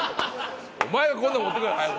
お前がこんなん待ってくるから。早く！